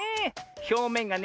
ひょうめんがね